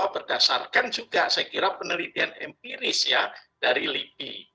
berdasarkan juga saya kira penelitian empiris ya dari lipi